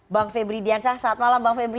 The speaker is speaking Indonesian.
bang febri diansyah selamat malam bang febri